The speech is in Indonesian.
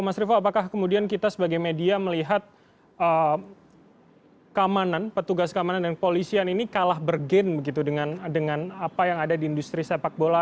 mas rivo apakah kemudian kita sebagai media melihat keamanan petugas keamanan dan kepolisian ini kalah bergen begitu dengan apa yang ada di industri sepak bola